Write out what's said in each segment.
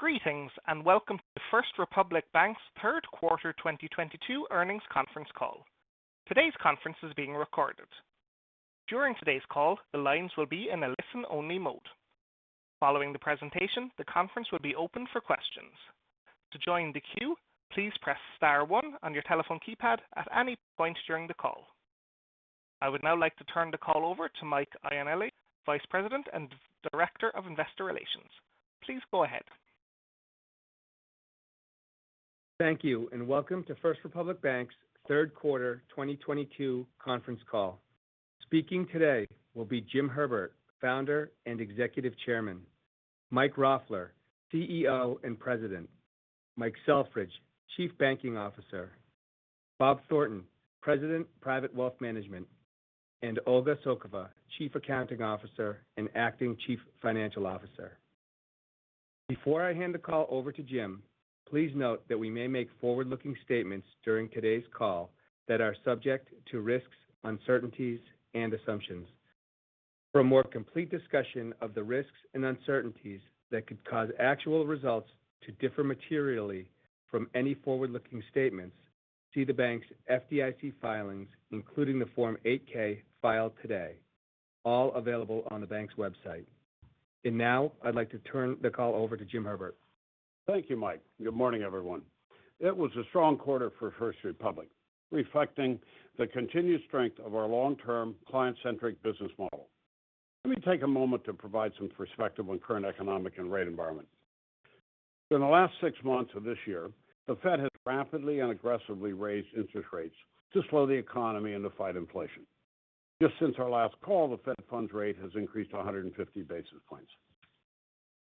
Greetings, and welcome to First Republic Bank's Third Quarter 2022 Earnings Conference Call. Today's conference is being recorded. During today's call, the lines will be in a listen-only mode. Following the presentation, the conference will be opened for questions. To join the queue, please press star one on your telephone keypad at any point during the call. I would now like to turn the call over to Mike Ioanilli, Vice President and Director of Investor Relations. Please go ahead. Thank you, and welcome to First Republic Bank's third quarter 2022 conference call. Speaking today will be Jim Herbert, Founder and Executive Chairman, Mike Roffler, CEO and President, Mike Selfridge, Chief Banking Officer, Bob Thornton, President, Private Wealth Management, and Olga Tsokova, Chief Accounting Officer and acting Chief Financial Officer. Before I hand the call over to Jim, please note that we may make forward-looking statements during today's call that are subject to risks, uncertainties and assumptions. For a more complete discussion of the risks and uncertainties that could cause actual results to differ materially from any forward-looking statements, see the bank's FDIC filings, including the Form 8-K filed today, all available on the bank's website. Now I'd like to turn the call over to Jim Herbert. Thank you, Mike. Good morning, everyone. It was a strong quarter for First Republic, reflecting the continued strength of our long-term client-centric business model. Let me take a moment to provide some perspective on current economic and rate environment. During the last six months of this year, the Fed has rapidly and aggressively raised interest rates to slow the economy and to fight inflation. Just since our last call, the Fed funds rate has increased 150 basis points.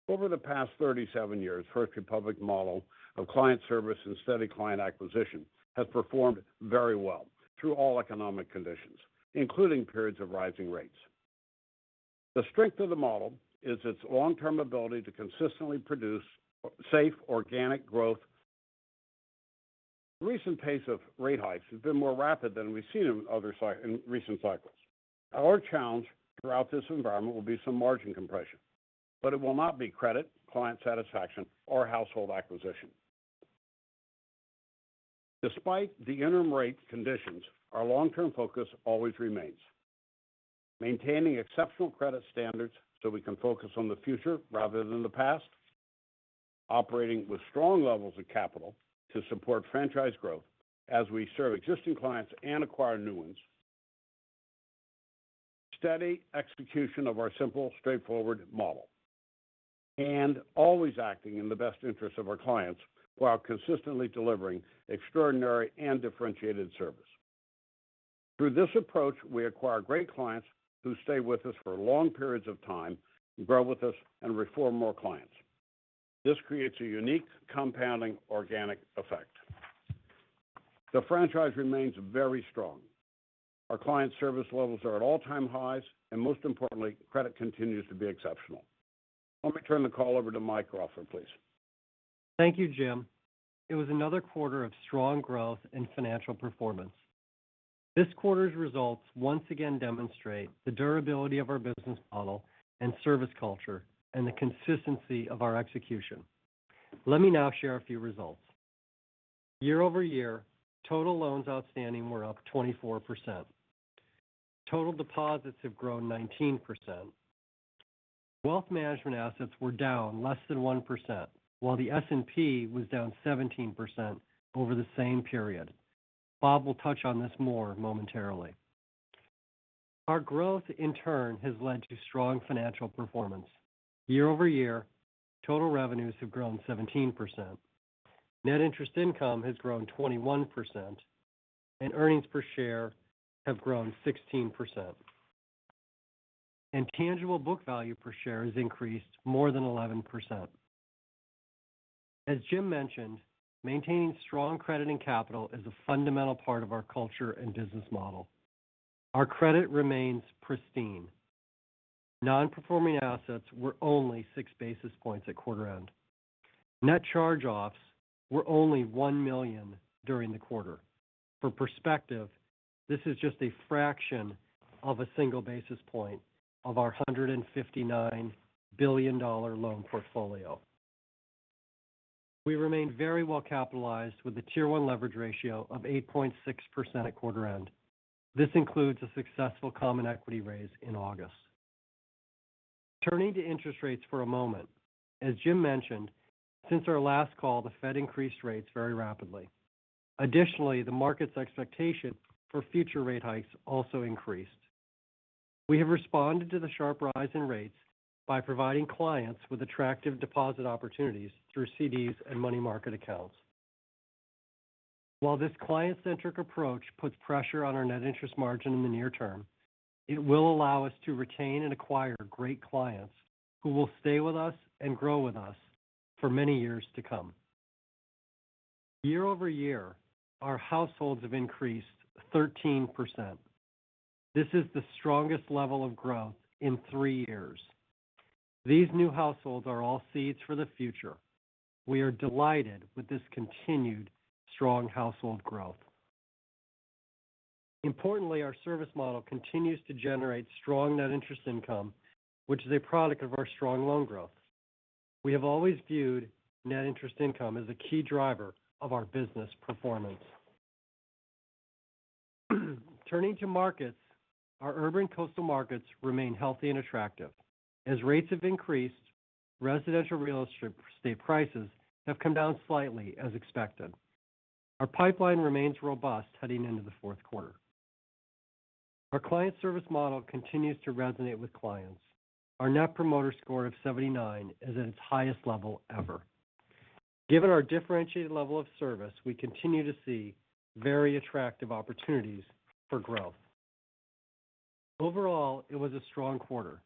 Over the past 37 years, First Republic model of client service and steady client acquisition has performed very well through all economic conditions, including periods of rising rates. The strength of the model is its long-term ability to consistently produce safe organic growth. Recent pace of rate hikes has been more rapid than we've seen in recent cycles. Our challenge throughout this environment will be some margin compression, but it will not be credit, client satisfaction or household acquisition. Despite the interim rate conditions, our long-term focus always remains. Maintaining exceptional credit standards so we can focus on the future rather than the past. Operating with strong levels of capital to support franchise growth as we serve existing clients and acquire new ones. Steady execution of our simple, straightforward model, and always acting in the best interest of our clients while consistently delivering extraordinary and differentiated service. Through this approach, we acquire great clients who stay with us for long periods of time, grow with us and refer more clients. This creates a unique compounding organic effect. The franchise remains very strong. Our client service levels are at all-time highs, and most importantly, credit continues to be exceptional. Let me turn the call over to Mike Roffler, please. Thank you, Jim. It was another quarter of strong growth and financial performance. This quarter's results once again demonstrate the durability of our business model and service culture and the consistency of our execution. Let me now share a few results. Year-over-year, total loans outstanding were up 24%. Total deposits have grown 19%. Wealth management assets were down less than 1%, while the S&P was down 17% over the same period. Bob will touch on this more momentarily. Our growth in turn has led to strong financial performance. Year-over-year, total revenues have grown 17%. Net interest income has grown 21%, and earnings per share have grown 16%. Tangible book value per share has increased more than 11%. As Jim mentioned, maintaining strong credit and capital is a fundamental part of our culture and business model. Our credit remains pristine. Non-performing assets were only 6 basis points at quarter end. Net charge-offs were only $1 million during the quarter. For perspective, this is just a fraction of a single basis point of our $159 billion loan portfolio. We remain very well capitalized with a Tier 1 leverage ratio of 8.6% at quarter end. This includes a successful common equity raise in August. Turning to interest rates for a moment. As Jim mentioned, since our last call, the Fed increased rates very rapidly. Additionally, the market's expectation for future rate hikes also increased. We have responded to the sharp rise in rates by providing clients with attractive deposit opportunities through CDs and money market accounts. While this client-centric approach puts pressure on our net interest margin in the near term, it will allow us to retain and acquire great clients who will stay with us and grow with us for many years to come. Year-over-year, our households have increased 13%. This is the strongest level of growth in three years. These new households are all seeds for the future. We are delighted with this continued strong household growth. Importantly, our service model continues to generate strong net interest income, which is a product of our strong loan growth. We have always viewed net interest income as a key driver of our business performance. Turning to markets, our urban coastal markets remain healthy and attractive. As rates have increased, residential real estate prices have come down slightly as expected. Our pipeline remains robust heading into the fourth quarter. Our client service model continues to resonate with clients. Our Net Promoter Score of 79 is at its highest level ever. Given our differentiated level of service, we continue to see very attractive opportunities for growth. Overall, it was a strong quarter.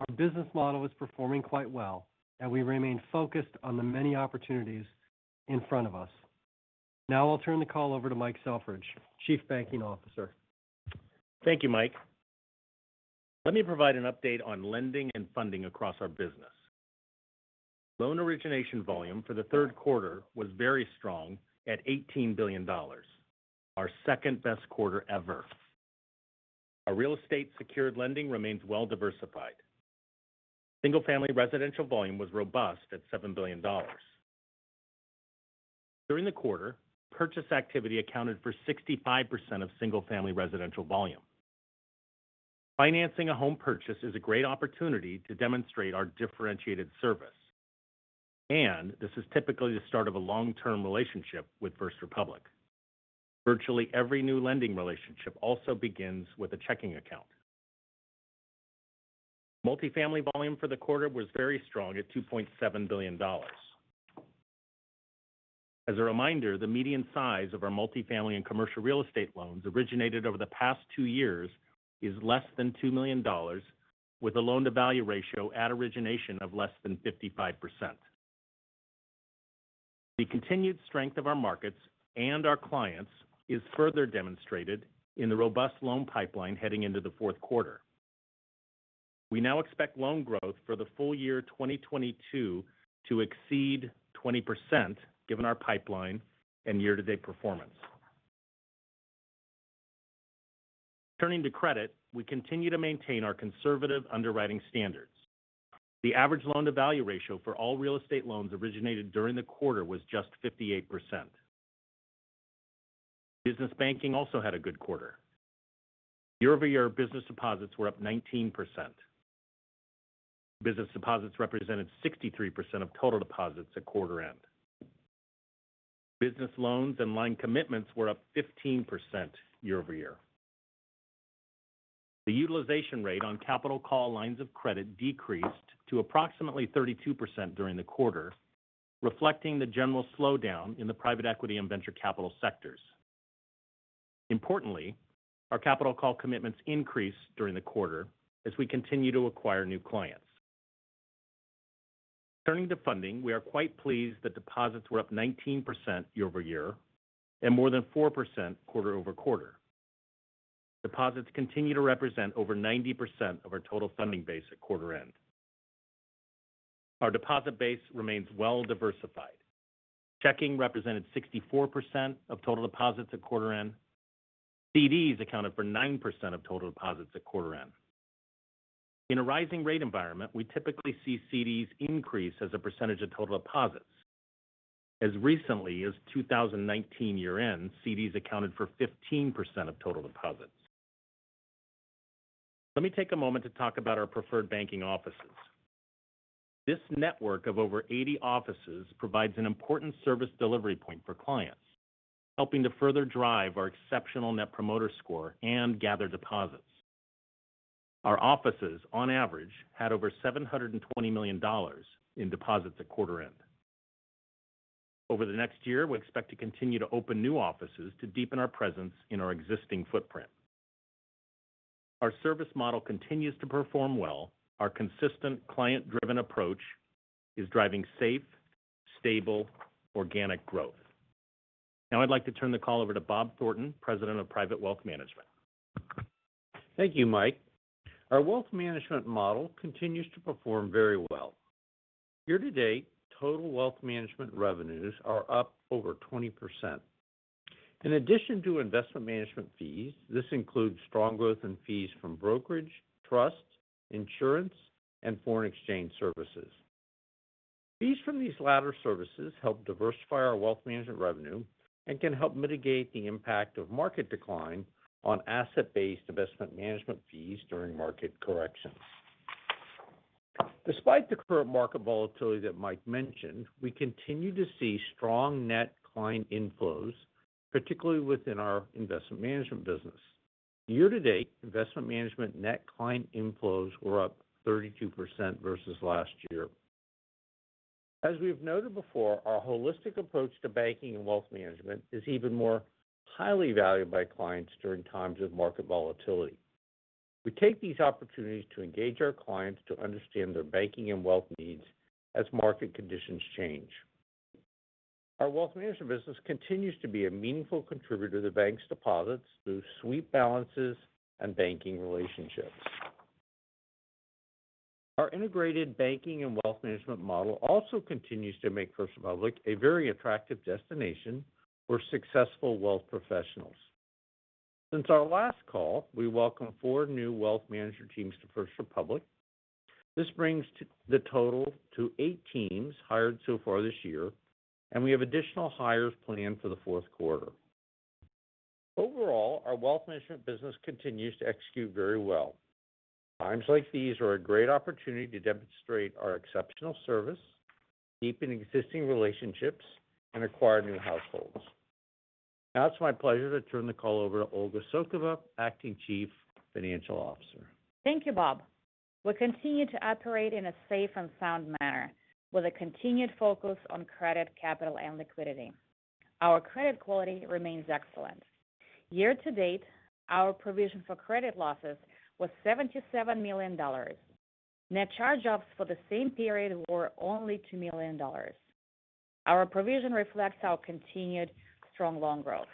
Our business model is performing quite well and we remain focused on the many opportunities in front of us. Now I'll turn the call over to Mike Selfridge, Chief Banking Officer. Thank you, Mike. Let me provide an update on lending and funding across our business. Loan origination volume for the third quarter was very strong at $18 billion, our second-best quarter ever. Our real estate secured lending remains well diversified. Single-family residential volume was robust at $7 billion. During the quarter, purchase activity accounted for 65% of single-family residential volume. Financing a home purchase is a great opportunity to demonstrate our differentiated service, and this is typically the start of a long-term relationship with First Republic. Virtually every new lending relationship also begins with a checking account. Multifamily volume for the quarter was very strong at $2.7 billion. As a reminder, the median size of our multifamily and commercial real estate loans originated over the past two years is less than $2 million, with a loan-to-value ratio at origination of less than 55%. The continued strength of our markets and our clients is further demonstrated in the robust loan pipeline heading into the fourth quarter. We now expect loan growth for the full year 2022 to exceed 20% given our pipeline and year-to-date performance. Turning to credit, we continue to maintain our conservative underwriting standards. The average loan-to-value ratio for all real estate loans originated during the quarter was just 58%. Business banking also had a good quarter. Year-over-year business deposits were up 19%. Business deposits represented 63% of total deposits at quarter end. Business loans and line commitments were up 15% year-over-year. The utilization rate on capital call lines of credit decreased to approximately 32% during the quarter, reflecting the general slowdown in the private equity and venture capital sectors. Importantly, our capital call commitments increased during the quarter as we continue to acquire new clients. Turning to funding, we are quite pleased that deposits were up 19% year-over-year and more than 4% quarter-over-quarter. Deposits continue to represent over 90% of our total funding base at quarter end. Our deposit base remains well diversified. Checking represented 64% of total deposits at quarter end. CDs accounted for 9% of total deposits at quarter end. In a rising rate environment, we typically see CDs increase as a percentage of total deposits. As recently as 2019 year-end, CDs accounted for 15% of total deposits. Let me take a moment to talk about our preferred banking offices. This network of over 80 offices provides an important service delivery point for clients, helping to further drive our exceptional Net Promoter Score and gather deposits. Our offices, on average, had over $720 million in deposits at quarter end. Over the next year, we expect to continue to open new offices to deepen our presence in our existing footprint. Our service model continues to perform well. Our consistent client-driven approach is driving safe, stable, organic growth. Now I'd like to turn the call over to Bob Thornton, President of Private Wealth Management. Thank you, Mike. Our wealth management model continues to perform very well. Year to date, total wealth management revenues are up over 20%. In addition to investment management fees, this includes strong growth in fees from brokerage, trust, insurance, and foreign exchange services. Fees from these latter services help diversify our wealth management revenue and can help mitigate the impact of market decline on asset-based investment management fees during market corrections. Despite the current market volatility that Mike mentioned, we continue to see strong net client inflows, particularly within our investment management business. Year to date, investment management net client inflows were up 32% versus last year. As we've noted before, our holistic approach to banking and wealth management is even more highly valued by clients during times of market volatility. We take these opportunities to engage our clients to understand their banking and wealth needs as market conditions change. Our wealth management business continues to be a meaningful contributor to the bank's deposits through sweep balances and banking relationships. Our integrated banking and wealth management model also continues to make First Republic a very attractive destination for successful wealth professionals. Since our last call, we welcome four new wealth manager teams to First Republic. This brings the total to eight teams hired so far this year, and we have additional hires planned for the fourth quarter. Overall, our wealth management business continues to execute very well. Times like these are a great opportunity to demonstrate our exceptional service, deepen existing relationships, and acquire new households. Now it's my pleasure to turn the call over to Olga Tsokova, Acting Chief Financial Officer. Thank you, Bob. We continue to operate in a safe and sound manner with a continued focus on credit, capital, and liquidity. Our credit quality remains excellent. Year to date, our provision for credit losses was $77 million. Net charge-offs for the same period were only $2 million. Our provision reflects our continued strong loan growth.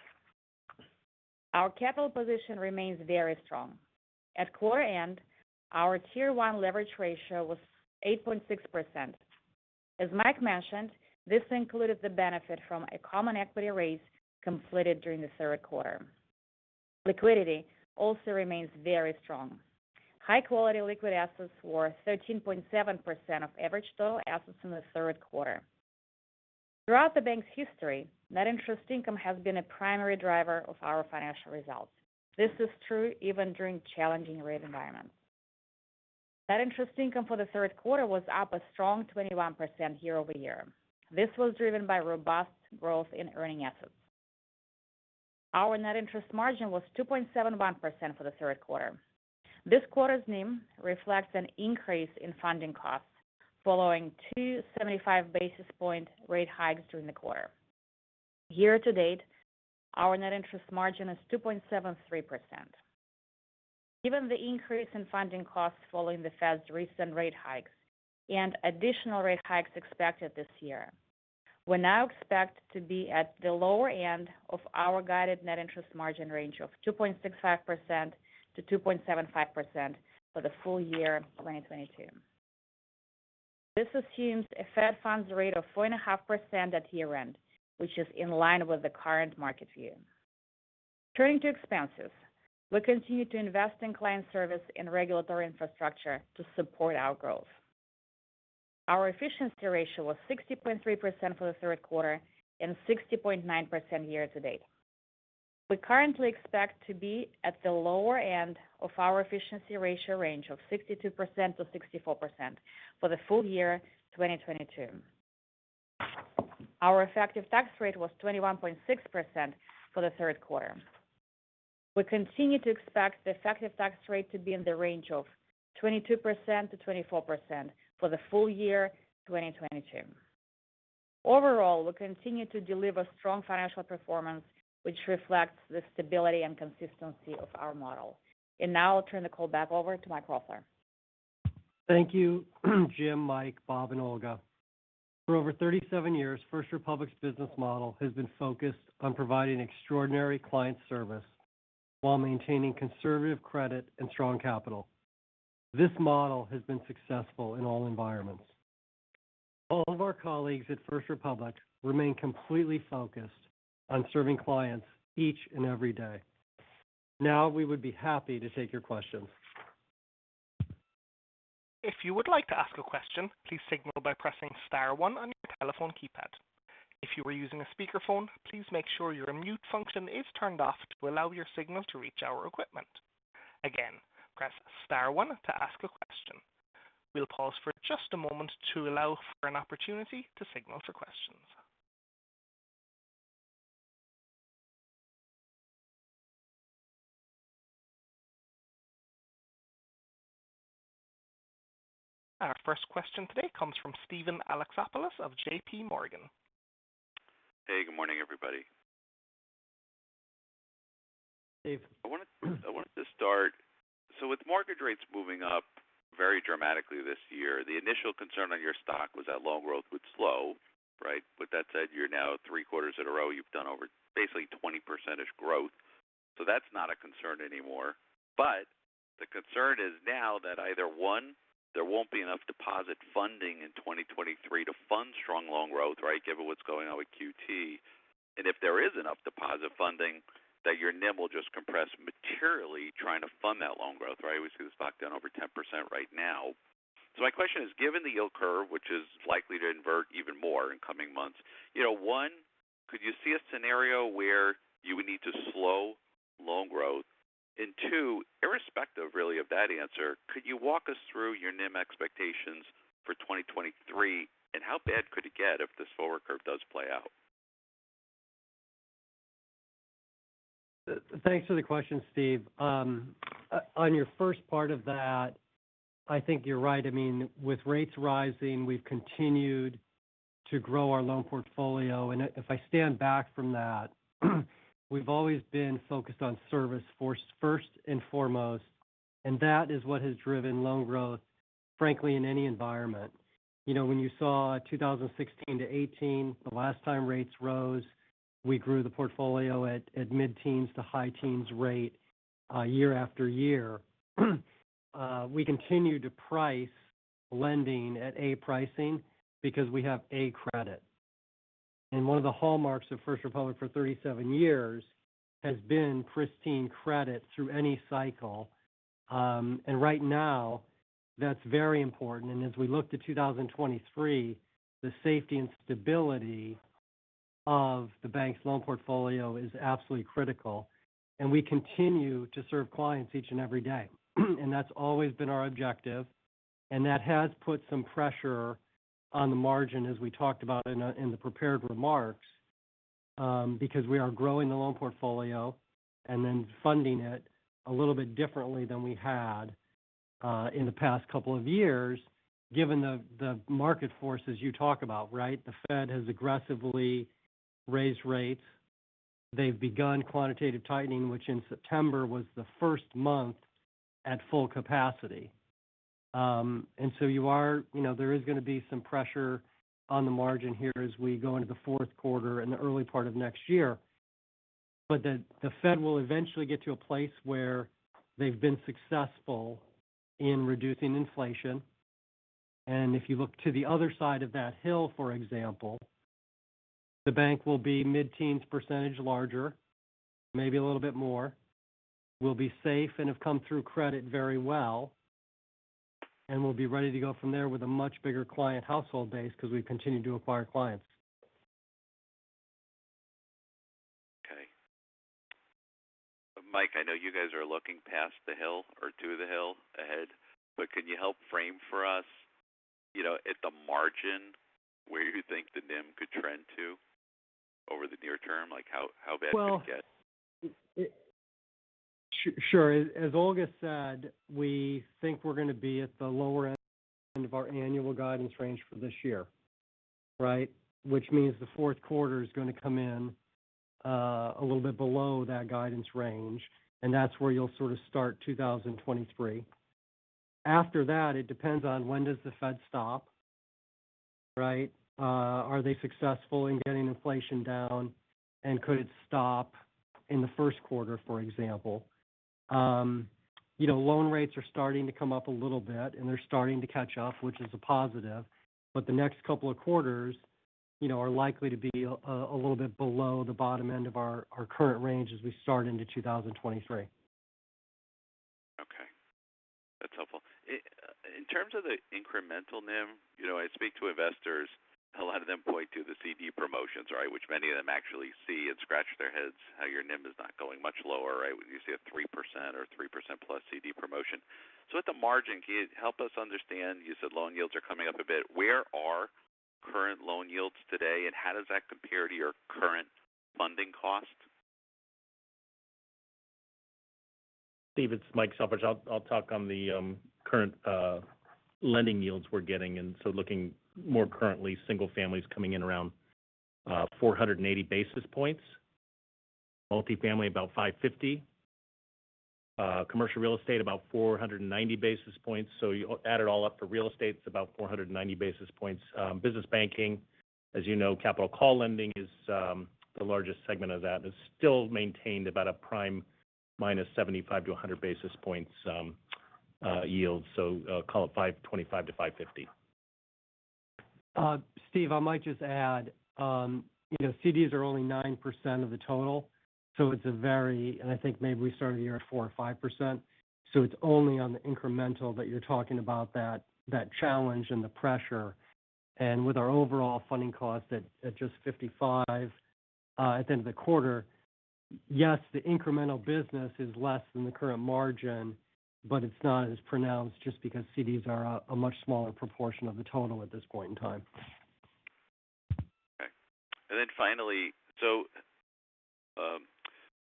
Our capital position remains very strong. At quarter end, our Tier 1 leverage ratio was 8.6%. As Mike mentioned, this included the benefit from a common equity raise completed during the third quarter. Liquidity also remains very strong. High-quality liquid assets were 13.7% of average total assets in the third quarter. Throughout the bank's history, net interest income has been a primary driver of our financial results. This is true even during challenging rate environments. Net interest income for the third quarter was up a strong 21% year-over-year. This was driven by robust growth in earning assets. Our net interest margin was 2.71% for the third quarter. This quarter's NIM reflects an increase in funding costs following 275 basis point rate hikes during the quarter. Year to date, our net interest margin is 2.73%. Given the increase in funding costs following the Fed's recent rate hikes and additional rate hikes expected this year, we now expect to be at the lower end of our guided net interest margin range of 2.65%-2.75% for the full year of 2022. This assumes a Fed funds rate of 4.5% at year-end, which is in line with the current market view. Turning to expenses. We continue to invest in client service and regulatory infrastructure to support our growth. Our efficiency ratio was 60.3% for the third quarter and 60.9% year to date. We currently expect to be at the lower end of our efficiency ratio range of 62%-64% for the full year 2022. Our effective tax rate was 21.6% for the third quarter. We continue to expect the effective tax rate to be in the range of 22%-24% for the full year 2022. Overall, we continue to deliver strong financial performance, which reflects the stability and consistency of our model. Now I'll turn the call back over to Mike Roffler. Thank you, Jim, Mike, Bob, and Olga. For over 37 years, First Republic's business model has been focused on providing extraordinary client service while maintaining conservative credit and strong capital. This model has been successful in all environments. All of our colleagues at First Republic remain completely focused on serving clients each and every day. Now, we would be happy to take your questions. If you would like to ask a question, please signal by pressing star one on your telephone keypad. If you are using a speakerphone, please make sure your mute function is turned off to allow your signal to reach our equipment. Again, press star one to ask a question. We'll pause for just a moment to allow for an opportunity to signal for questions. Our first question today comes from Steven Alexopoulos of JPMorgan. Hey, good morning, everybody. Steve. I wanted to start. With mortgage rates moving up very dramatically this year, the initial concern on your stock was that loan growth would slow, right? With that said, you're now three quarters in a row. You've done over basically 20%-ish growth. That's not a concern anymore. The concern is now that either, one, there won't be enough deposit funding in 2023 to fund strong loan growth, right, given what's going on with QT. If there is enough deposit funding, that your NIM will just compress materially trying to fund that loan growth, right? We see the stock down over 10% right now. My question is, given the yield curve, which is likely to invert even more in coming months, you know, one, could you see a scenario where you would need to slow loan growth? Two, irrespective really of that answer, could you walk us through your NIM expectations for 2023? How bad could it get if this forward curve does play out? Thanks for the question, Steve. On your first part of that, I think you're right. I mean, with rates rising, we've continued to grow our loan portfolio. If I stand back from that, we've always been focused on service first and foremost, and that is what has driven loan growth, frankly, in any environment. You know, when you saw 2016-2018, the last time rates rose. We grew the portfolio at mid-teens%-high-teens% rate, year after year. We continue to price lending at a pricing because we have a credit. One of the hallmarks of First Republic for 37 years has been pristine credit through any cycle. Right now that's very important. As we look to 2023, the safety and stability of the bank's loan portfolio is absolutely critical. We continue to serve clients each and every day. That's always been our objective, and that has put some pressure on the margin as we talked about in the prepared remarks, because we are growing the loan portfolio and then funding it a little bit differently than we had in the past couple of years, given the market forces you talk about, right? The Fed has aggressively raised rates. They've begun quantitative tightening, which in September was the first month at full capacity. You know, there is gonna be some pressure on the margin here as we go into the fourth quarter and the early part of next year. The Fed will eventually get to a place where they've been successful in reducing inflation. If you look to the other side of that hill, for example, the bank will be mid-teens% larger, maybe a little bit more. We'll be safe and have come through credit very well, and we'll be ready to go from there with a much bigger client household base because we continue to acquire clients. Okay. Mike, I know you guys are looking past the hill or to the hill ahead, but can you help frame for us, you know, at the margin where you think the NIM could trend to over the near term? Like how bad could it get? Well, sure. As Olga said, we think we're going to be at the lower end of our annual guidance range for this year, right? Which means the fourth quarter is going to come in a little bit below that guidance range. That's where you'll sort of start 2023. After that, it depends on when does the Fed stop, right? Are they successful in getting inflation down? Could it stop in the first quarter, for example? You know, loan rates are starting to come up a little bit, and they're starting to catch up, which is a positive. The next couple of quarters, you know, are likely to be a little bit below the bottom end of our current range as we start into 2023. Okay. That's helpful. In terms of the incremental NIM, you know, I speak to investors, a lot of them point to the CD promotions, right? Which many of them actually see and scratch their heads how your NIM is not going much lower, right? When you see a 3% or 3%+ CD promotion. At the margin, can you help us understand, you said loan yields are coming up a bit, where are current loan yields today, and how does that compare to your current funding cost? Steve, it's Mike Selfridge. I'll talk on the current lending yields we're getting. Looking more currently, single-family is coming in around 480 basis points. Multifamily about 550. Commercial real estate about 490 basis points. You add it all up for real estate, it's about 490 basis points. Business banking, as you know, capital call lending is the largest segment of that. It's still maintained about a prime minus 75 to 100 basis points yield. Call it 525 to 550. Steve, I might just add, you know, CDs are only 9% of the total. I think maybe we started the year at 4% or 5%. It's only on the incremental that you're talking about that challenge and the pressure. With our overall funding cost at just 55 at the end of the quarter. Yes, the incremental business is less than the current margin, but it's not as pronounced just because CDs are a much smaller proportion of the total at this point in time.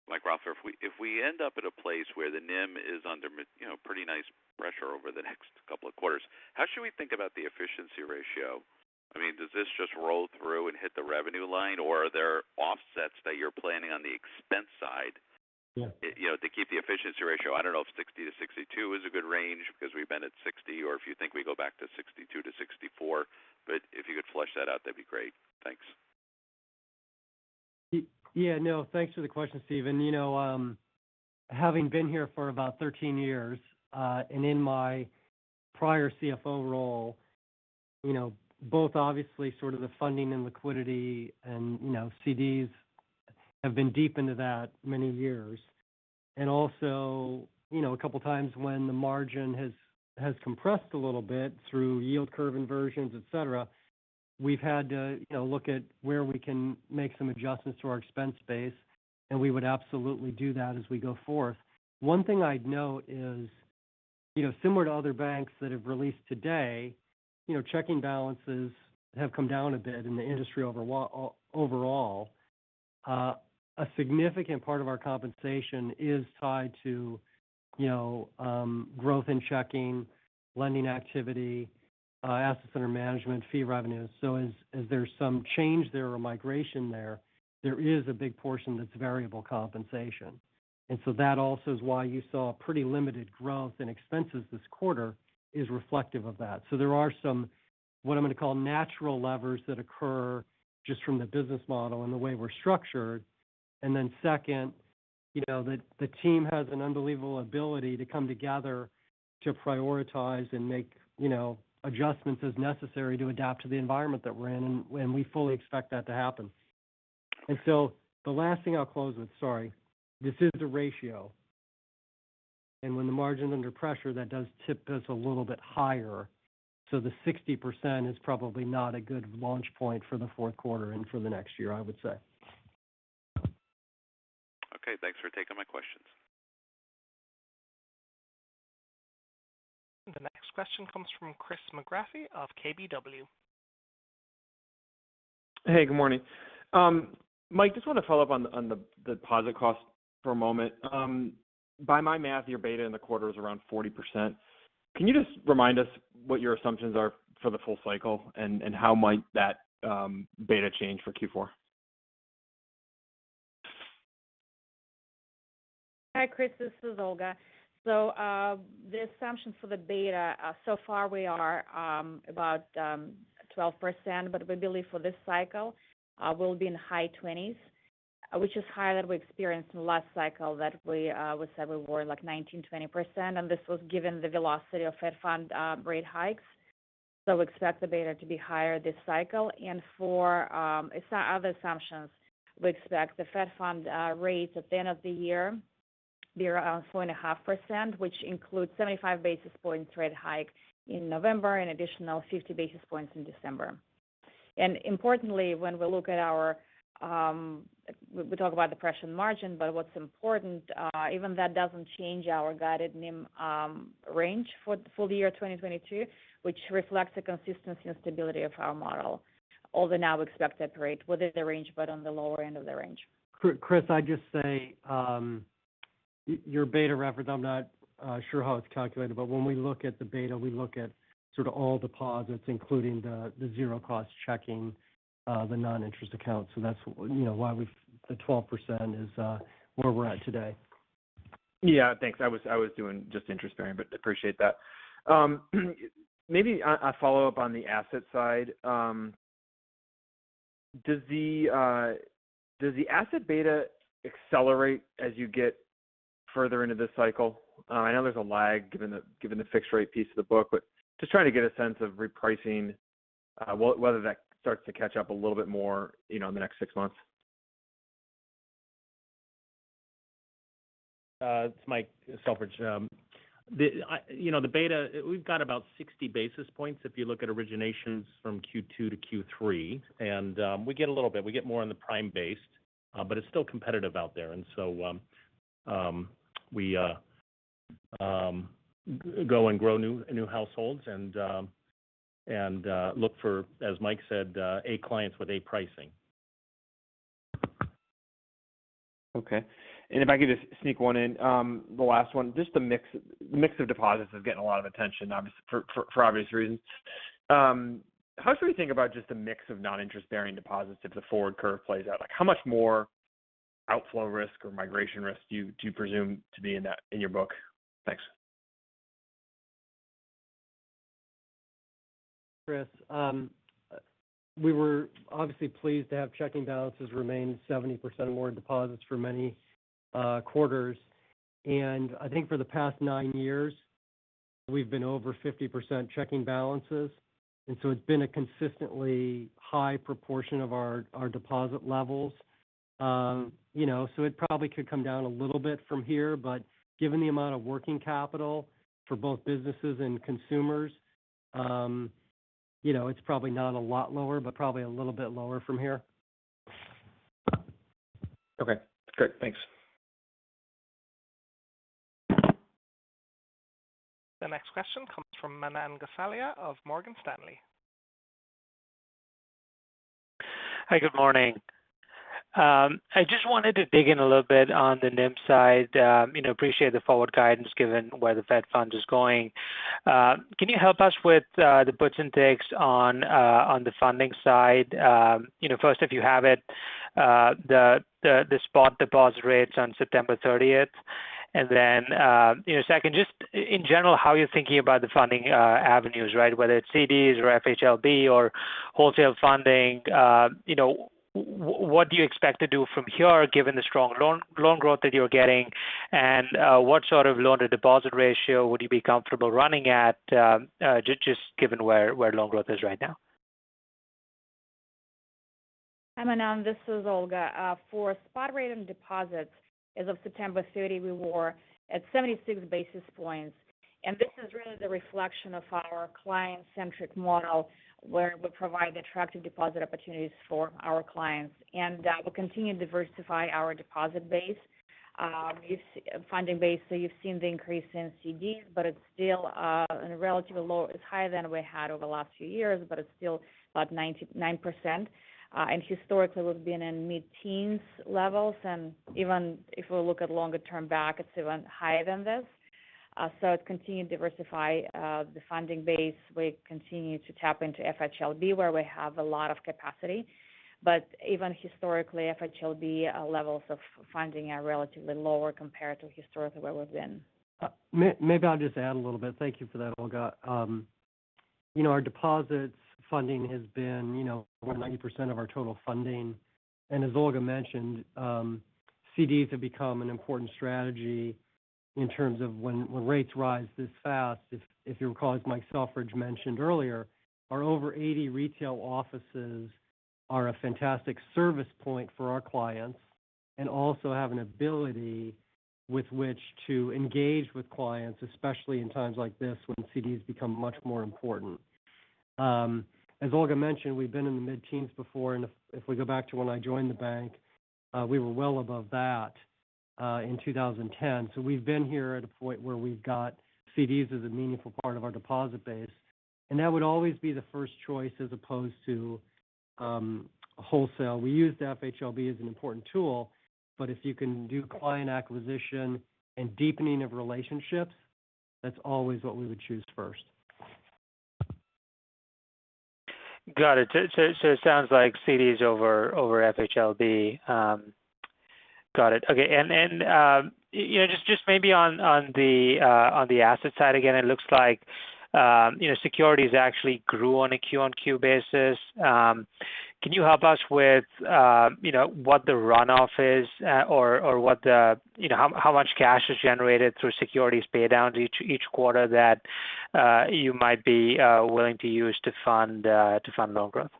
Mike Roffler, if we end up at a place where the NIM is under, you know, pretty intense pressure over the next couple of quarters, how should we think about the efficiency ratio? I mean, does this just roll through and hit the revenue line, or are there offsets that you're planning on the expense side? Yeah You know, to keep the efficiency ratio, I don't know if 60%-62% is a good range because we've been at 60%. If you think we go back to 62%-64%. If you could flesh that out, that'd be great. Thanks. Yeah. No, thanks for the question, Steven. You know, having been here for about 13 years, and in my prior CFO role, you know, both obviously sort of the funding and liquidity and, you know, we've been deep into that many years. Also, you know, a couple of times when the margin has compressed a little bit through yield curve inversions, et cetera, we've had to, you know, look at where we can make some adjustments to our expense base, and we would absolutely do that as we go forth. One thing I'd note is, you know, similar to other banks that have released today, you know, checking balances have come down a bit in the industry overall. A significant part of our compensation is tied to, you know, growth in checking, lending activity, assets under management fee revenues. As there's some change there or migration there is a big portion that's variable compensation. That also is why you saw pretty limited growth in expenses this quarter, is reflective of that. There are somewhat I'm going to call natural levers that occur just from the business model and the way we're structured. Second, you know, the team has an unbelievable ability to come together to prioritize and make, you know, adjustments as necessary to adapt to the environment that we're in, and we fully expect that to happen. The last thing I'll close with, sorry, this is a ratio. When the margin is under pressure, that does tip us a little bit higher. The 60% is probably not a good launch point for the fourth quarter and for the next year, I would say. Okay, thanks for taking my questions. The next question comes from Chris McGratty of KBW. Hey, good morning. Mike, just want to follow up on the deposit cost for a moment. By my math, your beta in the quarter is around 40%. Can you just remind us what your assumptions are for the full cycle and how might that beta change for Q4? Hi, Chris, this is Olga. The assumption for the beta so far we are about 12%, but we believe for this cycle we'll be in high 20s, which is higher than we experienced in the last cycle that we would say we were like 19%-20%. This was given the velocity of Fed funds rate hikes. Expect the beta to be higher this cycle. For other assumptions, we expect the Fed funds rates at the end of the year be around 4.5%, which includes 75 basis points rate hike in November and additional 50 basis points in December. Importantly, when we look at our, we talk about the pressure in margin, but what's important, even that doesn't change our guided NIM, range for the year 2022, which reflects the consistency and stability of our model. Although now we expect that rate within the range, but on the lower end of the range. Chris, I'd just say, your beta reference, I'm not sure how it's calculated, but when we look at the beta, we look at sort of all deposits, including the zero cost checking, the non-interest account. That's, you know, why we've the 12% is where we're at today. Yeah, thanks. I was doing just interest bearing, but appreciate that. Maybe a follow-up on the asset side. Does the asset beta accelerate as you get further into this cycle? I know there's a lag given the fixed rate piece of the book, but just trying to get a sense of repricing, whether that starts to catch up a little bit more, you know, in the next six months. It's Mike Selfridge. You know, the beta, we've got about 60 basis points if you look at originations from Q2 to Q3. We get a little bit, we get more in the prime base, but it's still competitive out there. We go and grow new households and look for, as Mike said, A clients with A pricing. Okay. If I could just sneak one in. The last one, just the mix of deposits is getting a lot of attention for obvious reasons. How should we think about just the mix of non-interest-bearing deposits if the forward curve plays out? Like, how much more outflow risk or migration risk do you presume to be in that in your book? Thanks. Chris, we were obviously pleased to have checking balances remain 70% of our deposits for many quarters. I think for the past nine years, we've been over 50% checking balances. It's been a consistently high proportion of our deposit levels. You know, it probably could come down a little bit from here, but given the amount of working capital for both businesses and consumers, you know, it's probably not a lot lower, but probably a little bit lower from here. Okay, great. Thanks. The next question comes from Manan Gosalia of Morgan Stanley. Hi, good morning. I just wanted to dig in a little bit on the NIM side. You know, appreciate the forward guidance given where the Fed fund is going. Can you help us with the puts and takes on the funding side? You know, first, if you have it, the spot deposit rates on September thirtieth. You know, second, just in general, how you're thinking about the funding avenues, right? Whether it's CDs or FHLB or wholesale funding. You know, what do you expect to do from here given the strong loan growth that you're getting? What sort of loan to deposit ratio would you be comfortable running at, just given where loan growth is right now? Hi Manan, this is Olga. For spot rate and deposits, as of September 30, we were at 76 basis points. This is really the reflection of our client-centric model, where we provide attractive deposit opportunities for our clients. We continue to diversify our deposit base, funding base. You've seen the increase in CDs, but it's still in a relatively low. It's higher than we had over the last few years, but it's still about 99%. Historically, we've been in mid-teens levels. Even if we look at longer term back, it's even higher than this. To continue to diversify the funding base, we continue to tap into FHLB, where we have a lot of capacity. Even historically, FHLB levels of funding are relatively lower compared to historically where we've been. Maybe I'll just add a little bit. Thank you for that, Olga. You know, our deposits funding has been, you know, over 90% of our total funding. As Olga mentioned, CDs have become an important strategy in terms of when rates rise this fast. If you recall, as Mike Selfridge mentioned earlier, our over 80 retail offices are a fantastic service point for our clients and also have an ability with which to engage with clients, especially in times like this when CDs become much more important. As Olga mentioned, we've been in the mid-teens before, and if we go back to when I joined the bank, we were well above that in 2010. We've been here at a point where we've got CDs as a meaningful part of our deposit base, and that would always be the first choice as opposed to wholesale. We use FHLB as an important tool, but if you can do client acquisition and deepening of relationships, that's always what we would choose first. Got it. It sounds like CDs over FHLB. Got it. Okay. You know, just maybe on the asset side again, it looks like, you know, securities actually grew on a Q-on-Q basis. Can you help us with, you know, what the runoff is, or what the, you know, how much cash is generated through securities pay down each quarter that you might be willing to use to fund loan growth?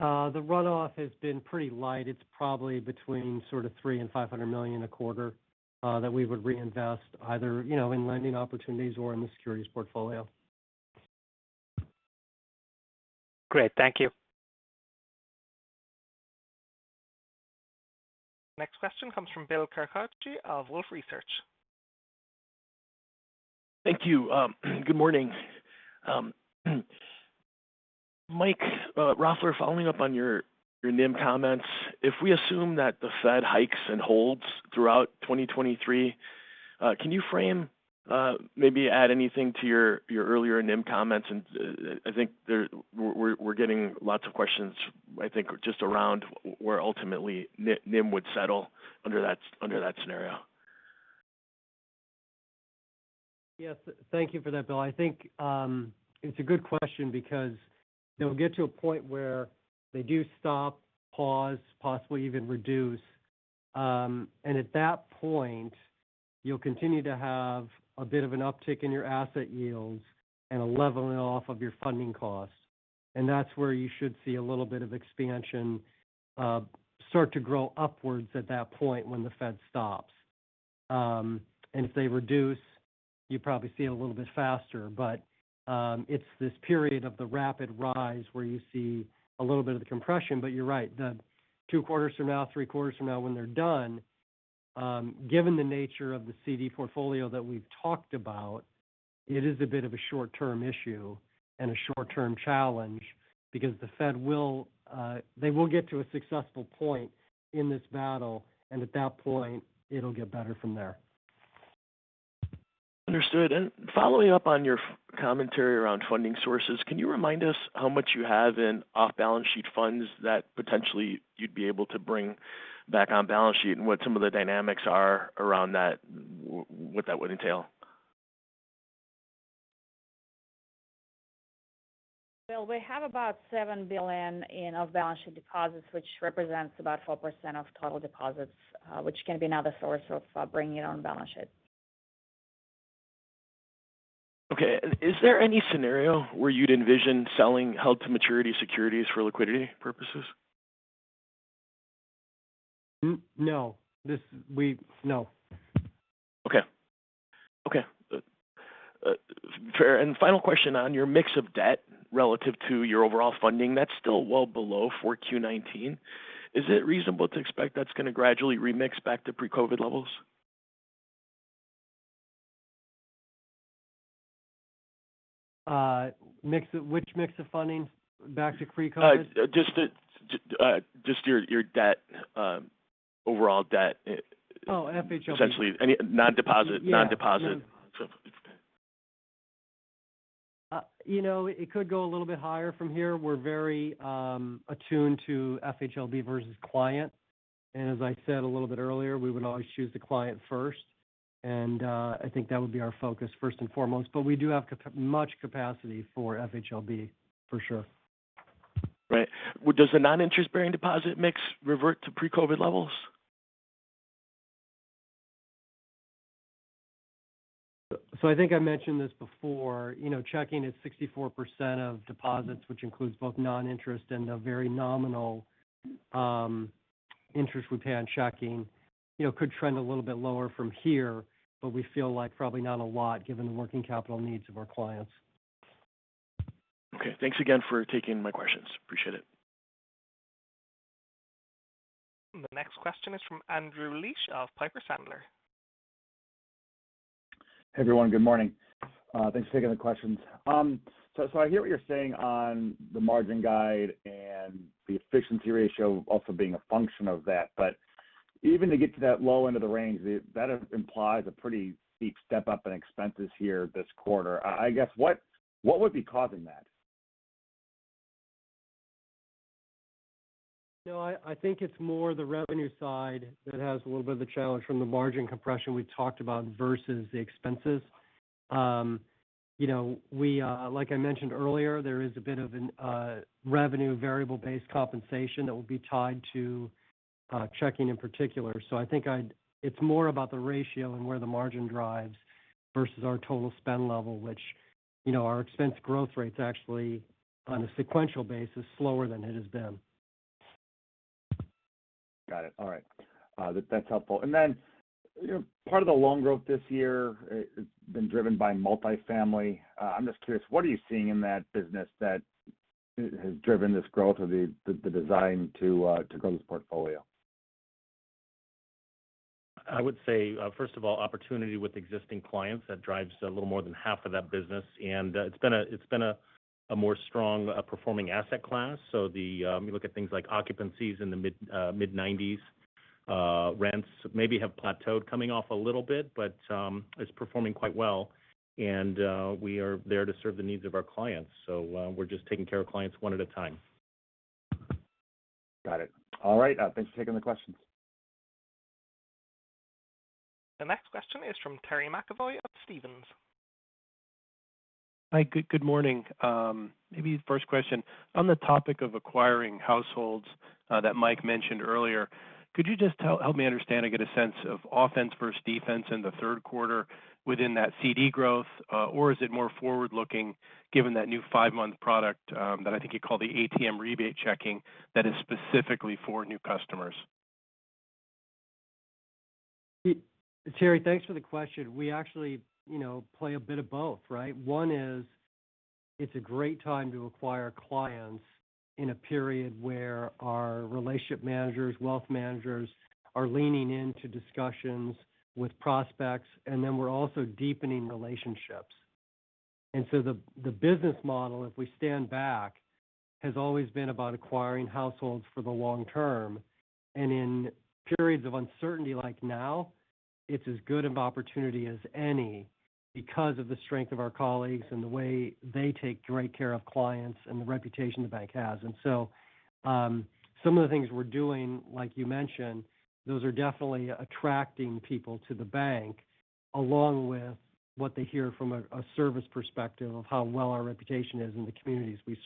The runoff has been pretty light. It's probably between sort of $300 million and $500 million a quarter that we would reinvest either, you know, in lending opportunities or in the securities portfolio. Great. Thank you. Next question comes from Bill Carcache of Wolfe Research. Thank you. Good morning. Mike Roffler, following up on your NIM comments. If we assume that the Fed hikes and holds throughout 2023, can you frame, maybe add anything to your earlier NIM comments? I think we're getting lots of questions, I think, just around where ultimately NIM would settle under that scenario. Yes. Thank you for that, Bill. I think it's a good question because they'll get to a point where they do stop, pause, possibly even reduce. At that point, you'll continue to have a bit of an uptick in your asset yields and a leveling off of your funding costs. That's where you should see a little bit of expansion start to grow upwards at that point when the Fed stops. If they reduce, you probably see it a little bit faster. It's this period of the rapid rise where you see a little bit of the compression, but you're right. The two quarters from now, three quarters from now, when they're done, given the nature of the CD portfolio that we've talked about, it is a bit of a short-term issue and a short-term challenge because the Fed will, they will get to a successful point in this battle, and at that point, it'll get better from there. Understood. Following up on your commentary around funding sources, can you remind us how much you have in off-balance sheet funds that potentially you'd be able to bring back on balance sheet and what some of the dynamics are around that, what that would entail? Bill, we have about $7 billion in off-balance sheet deposits, which represents about 4% of total deposits, which can be another source of bringing on balance sheet. Okay. Is there any scenario where you'd envision selling held to maturity securities for liquidity purposes? No. No. Okay. Fair. Final question on your mix of debt relative to your overall funding, that's still well below for Q1 2019. Is it reasonable to expect that's gonna gradually remix back to pre-COVID levels? Which mix of funding back to pre-COVID? Just your debt, overall debt. Oh, FHLB. Essentially any non-deposit. Yeah. Non-deposit. You know, it could go a little bit higher from here. We're very attuned to FHLB versus client. As I said a little bit earlier, we would always choose the client first. I think that would be our focus first and foremost. We do have much capacity for FHLB, for sure. Right. Well, does the non-interest-bearing deposit mix revert to pre-COVID levels? I think I mentioned this before. You know, checking is 64% of deposits, which includes both non-interest and the very nominal interest we pay on checking. You know, could trend a little bit lower from here, but we feel like probably not a lot given the working capital needs of our clients. Okay. Thanks again for taking my questions. Appreciate it. The next question is from Andrew Liesch of Piper Sandler. Hey, everyone. Good morning. Thanks for taking the questions. I hear what you're saying on the margin guide and the efficiency ratio also being a function of that. Even to get to that low end of the range, that implies a pretty steep step up in expenses here this quarter. I guess what would be causing that? No, I think it's more the revenue side that has a little bit of the challenge from the margin compression we talked about versus the expenses. You know, we like I mentioned earlier, there is a bit of a revenue variable-based compensation that will be tied to checking in particular. I think it's more about the ratio and where the margin drives versus our total spend level, which, you know, our expense growth rate's actually, on a sequential basis, slower than it has been. Got it. All right. That's helpful. You know, part of the loan growth this year has been driven by multifamily. I'm just curious, what are you seeing in that business that has driven this growth or the design to grow this portfolio? I would say, first of all, opportunity with existing clients. That drives a little more than half of that business. It's been a more strong performing asset class. You look at things like occupancies in the mid-90s%. Rents maybe have plateaued coming off a little bit, but it's performing quite well. We are there to serve the needs of our clients. We're just taking care of clients one at a time. Got it. All right. Thanks for taking the questions. The next question is from Terry McEvoy of Stephens. Hi. Good morning. Maybe first question. On the topic of acquiring households that Mike mentioned earlier, could you just help me understand and get a sense of offense versus defense in the third quarter within that CD growth? Or is it more forward-looking given that new five-month product that I think you call the ATM Rebate Checking that is specifically for new customers? Terry, thanks for the question. We actually, you know, play a bit of both, right? One is, it's a great time to acquire clients in a period where our relationship managers, wealth managers are leaning into discussions with prospects, and then we're also deepening relationships. The business model, if we stand back, has always been about acquiring households for the long term. In periods of uncertainty like now, it's as good of opportunity as any because of the strength of our colleagues and the way they take great care of clients and the reputation the bank has. Some of the things we're doing, like you mentioned, those are definitely attracting people to the bank, along with what they hear from a service perspective of how well our reputation is in the communities we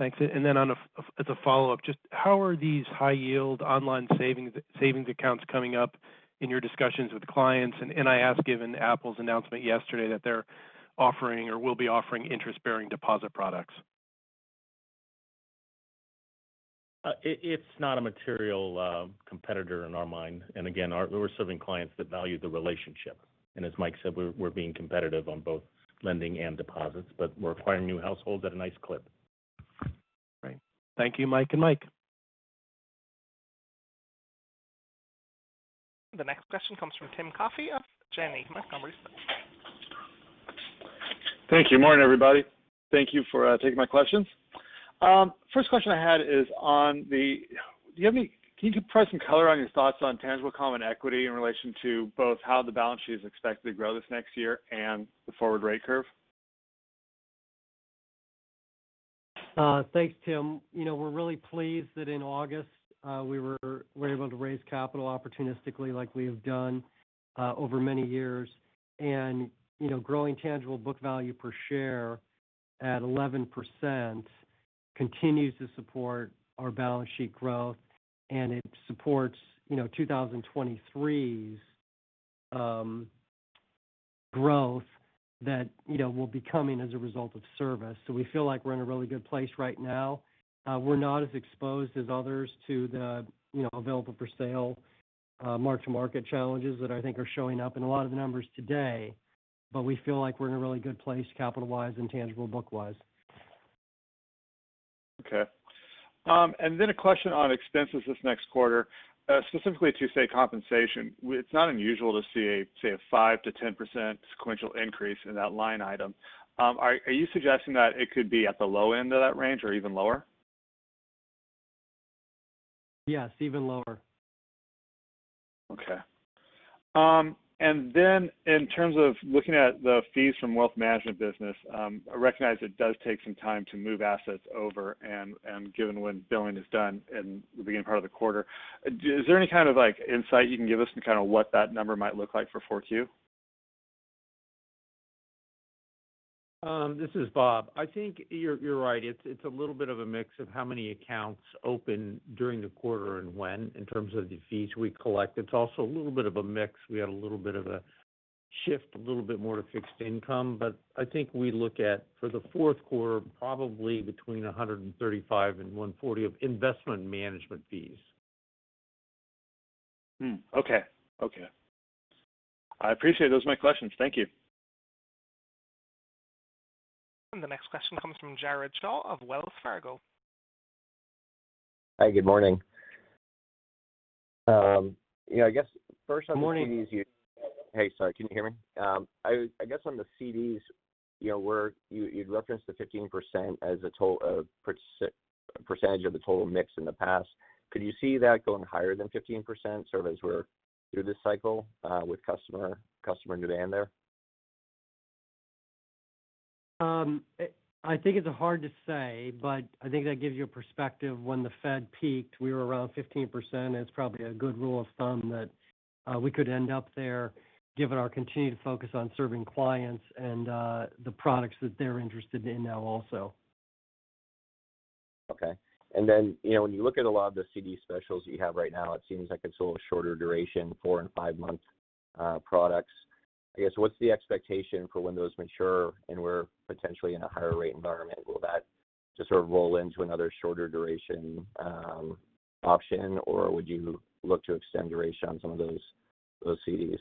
serve..Thanks. As a follow-up, just how are these high-yield online savings accounts coming up in your discussions with clients? I ask given Apple's announcement yesterday that they're offering or will be offering interest-bearing deposit products. It's not a material competitor in our mind. Again, we're serving clients that value the relationship. As Mike said, we're being competitive on both lending and deposits, but we're acquiring new households at a nice clip. Great. Thank you, Mike and Mike. The next question comes from Tim Coffey of Janney Montgomery Scott? Thank you. Morning, everybody. Thank you for taking my questions. First question I had is, can you provide some color on your thoughts on tangible common equity in relation to both how the balance sheet is expected to grow this next year and the forward rate curve? Thanks, Tim. You know, we're really pleased that in August we were able to raise capital opportunistically like we have done over many years. You know, growing tangible book value per share at 11% continues to support our balance sheet growth, and it supports 2023's growth that will be coming as a result of service. We feel like we're in a really good place right now. We're not as exposed as others to the available-for-sale mark-to-market challenges that I think are showing up in a lot of the numbers today. We feel like we're in a really good place capital-wise and tangible book-wise. A question on expenses this next quarter, specifically to, say, compensation. It's not unusual to see a, say, a 5%-10% sequential increase in that line item. Are you suggesting that it could be at the low end of that range or even lower? Yes, even lower. In terms of looking at the fees from wealth management business, I recognize it does take some time to move assets over and given when billing is done in the beginning part of the quarter. Is there any kind of, like, insight you can give us to kind of what that number might look like for 4Q? This is Bob. I think you're right. It's a little bit of a mix of how many accounts opened during the quarter and when in terms of the fees we collect. It's also a little bit of a mix. We had a little bit of a shift, a little bit more to fixed income. I think we look at, for the fourth quarter, probably between $135 and $140 of investment management fees. Okay. I appreciate it. Those are my questions. Thank you. The next question comes from Jared Shaw of Wells Fargo. Hi, good morning. You know, I guess first on. Good morning. Hey, sorry. Can you hear me? I guess on the CDs, you know, where you'd referenced the 15% as a percentage of the total mix in the past. Could you see that going higher than 15% sort of as we're through this cycle, with customer demand there? I think it's hard to say, but I think that gives you a perspective when the Fed peaked, we were around 15%. It's probably a good rule of thumb that we could end up there given our continued focus on serving clients and the products that they're interested in now also. Okay. You know, when you look at a lot of the CD specials you have right now, it seems like it's a little shorter duration, 4- and 5-month products. I guess, what's the expectation for when those mature and we're potentially in a higher rate environment? Will that just sort of roll into another shorter duration option, or would you look to extend duration on some of those CDs?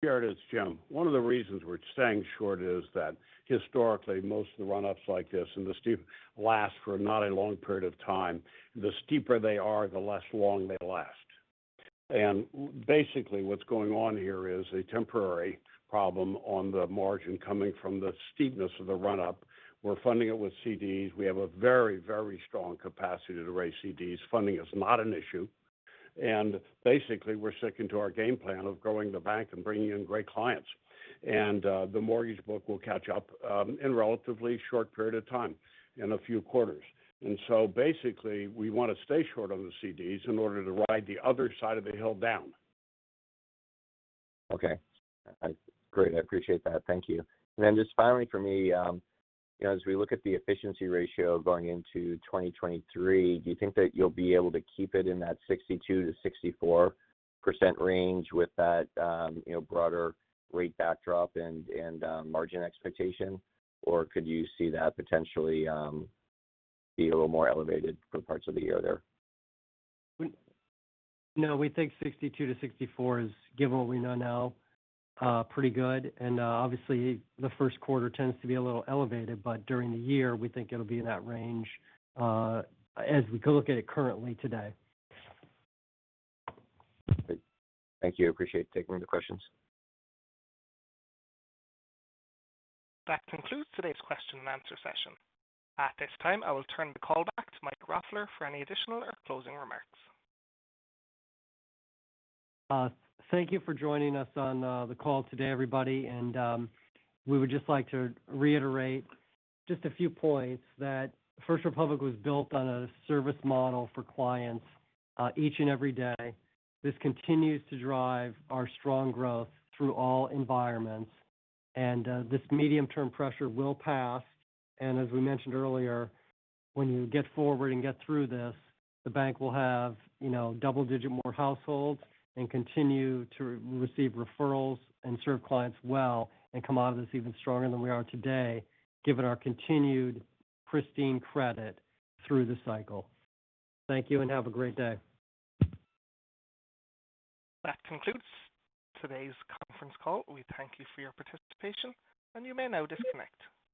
Here it is, Jim. One of the reasons we're staying short is that historically, most of the run-ups like this and the steeper last for not a long period of time. The steeper they are, the less long they last. Basically, what's going on here is a temporary problem on the margin coming from the steepness of the run-up. We're funding it with CDs. We have a very, very strong capacity to raise CDs. Funding is not an issue. Basically, we're sticking to our game plan of growing the bank and bringing in great clients. The mortgage book will catch up in relatively short period of time, in a few quarters. Basically, we want to stay short on the CDs in order to ride the other side of the hill down. Okay. Great. I appreciate that. Thank you. Just finally for me, you know, as we look at the efficiency ratio going into 2023, do you think that you'll be able to keep it in that 62%-64% range with that, you know, broader rate backdrop and margin expectation? Or could you see that potentially be a little more elevated for parts of the year there? No, we think 62-64 is, given what we know now, pretty good. Obviously, the first quarter tends to be a little elevated, but during the year, we think it'll be in that range, as we look at it currently today. Great. Thank you. I appreciate you taking the questions. That concludes today's question and answer session. At this time, I will turn the call back to Mike Roffler for any additional or closing remarks. Thank you for joining us on the call today, everybody. We would just like to reiterate just a few points that First Republic was built on a service model for clients each and every day. This continues to drive our strong growth through all environments. This medium-term pressure will pass. As we mentioned earlier, when you get forward and get through this, the bank will have double-digit more households and continue to receive referrals and serve clients well and come out of this even stronger than we are today, given our continued pristine credit through the cycle. Thank you, and have a great day. That concludes today's conference call. We thank you for your participation, and you may now disconnect.